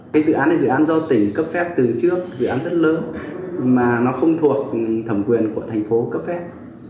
cái dự án này dự án do tỉnh cấp phép từ trước dự án rất lớn mà nó không thuộc thẩm quyền của thành phố cấp phép